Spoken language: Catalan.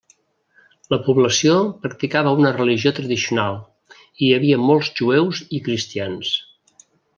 La població practicava una religió tradicional, i hi havia molts jueus i cristians.